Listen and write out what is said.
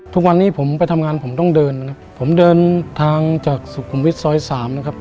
ทุกวันนี้ผมไปทำงานผมต้องเดินนะครับผมเดินทางจากสุขุมวิทย์ซอยสามนะครับ